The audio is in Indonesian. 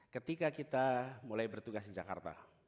ketika kita mulai bertugas di jakarta